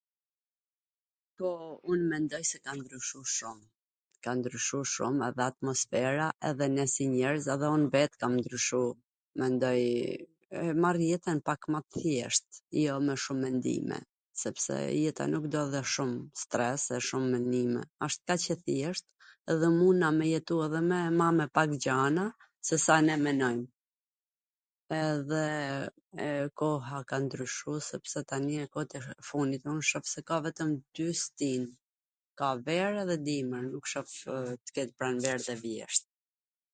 Po, un mendoj se ka ndryshu shum, ka ndryshu shum edhe atmosfera, edhe ne si njerz, edhe un vet kam ndryshu mendoj, e marr jetwn pak mw thjesht, jo me shum mendime, sepse jeta nuk do dhe shum stres, dhe shum mendime, wsht kaq e thjesht edhe munna me jetu edhe ma me pak gjana, sesa ne menojm, edhe koha ka ndryshu sepse tani koht e fundit un shoh se ka vetwm dy stin, ka ver edhe dimwn, nuk shoh tw ket pranver edhe vjesht.